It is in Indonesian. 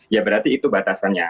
ya berarti itu batasannya